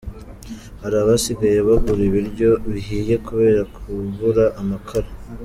Hari abasigaye bagura ibiryo bihiye kubera kubura amakara….